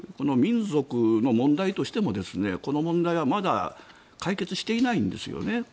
民族の問題としてもこの問題はまだ解決していないんですよね。